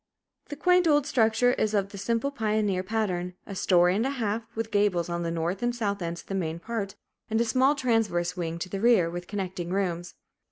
The quaint old structure is of the simple pioneer pattern, a story and a half, with gables on the north and south ends of the main part; and a small transverse wing to the rear, with connecting rooms.